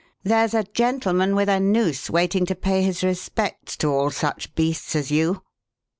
There's a gentleman with a noose waiting to pay his respects to all such beasts as you!"